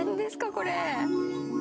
これ。